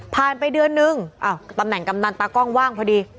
ไปเดือนนึงตำแหน่งกำนันตากล้องว่างพอดี